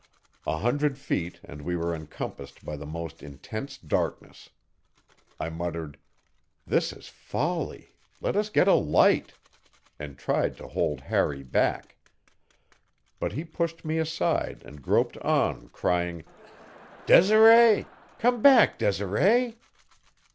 A hundred feet and we were encompassed by the most intense darkness. I muttered: "This is folly; let us get a light," and tried to hold Harry back. But he pushed me aside and groped on, crying: "Desiree! Come back, Desiree!"